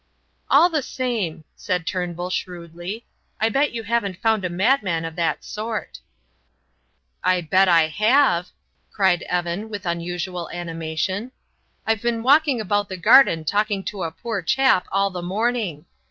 "All the same," said Turnbull, shrewdly, "I bet you haven't found a madman of that sort." "I bet I have!" cried Evan, with unusual animation. "I've been walking about the garden talking to a poor chap all the morning.